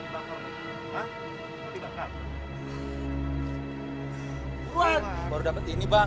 beruan baru dapet ini bang